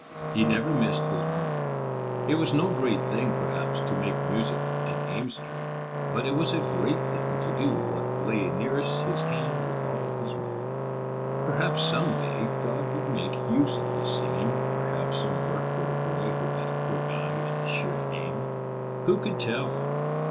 He never missed his mark. It was no great thing, perhaps, to make music and aim straight, but it was a great thing to do what lay nearest his hand with all his might. Perhaps some day God would make use of his singing or have some work for a boy who had a quick eye and a sure aim. Who could tell?